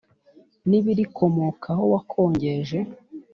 n ibirikomokaho wakongeje